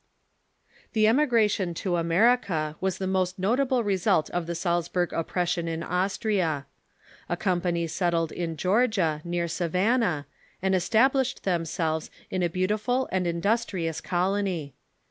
The emigration to America was the most notable result of the Salzburg oppression in Austria. A company settled in Geor gia, near Savannah, and established themselves in a The Georgia jj^autiful and industrious colony.